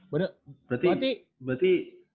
bener berarti berarti berarti